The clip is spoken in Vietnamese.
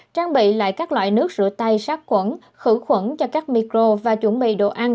trang bị lại các loại nước rửa tay sát quẩn khử khuẩn cho các micro và chuẩn bị đồ ăn